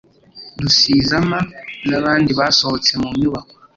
Rusizama n'abandi basohotse mu nyubako.